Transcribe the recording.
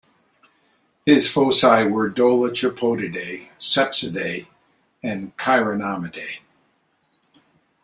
His foci were Dolichopodidae, Sepsidae and Chironomidae.